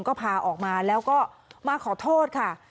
ก็พาออกมาแล้วก็มาขอโทษค่ะ